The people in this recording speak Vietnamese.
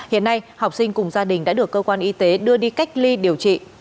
hiện nay học sinh cùng gia đình đã được cơ quan y tế đưa đi cách ly điều trị